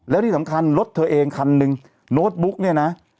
แล้วที่สำคัญรถเธอเองคันหนึ่งโน้ตบุ๊กเนี่ยนะ